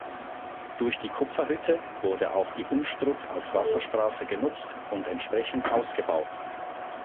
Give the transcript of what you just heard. Durch die Kupferhütte wurde auch die Unstrut als Wasserstraße genutzt und entsprechend ausgebaut.